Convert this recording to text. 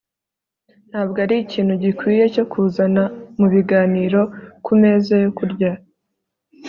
ntabwo arikintu gikwiye cyo kuzana mubiganiro kumeza yo kurya